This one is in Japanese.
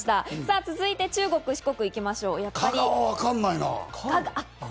続いて中国・四国、行きましょう。